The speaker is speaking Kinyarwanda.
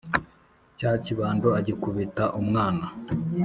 cya kibando agikubita umwana.